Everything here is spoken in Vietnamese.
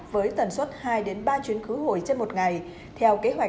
với tần suất hai ba chuyến khu